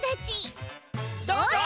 どうぞ！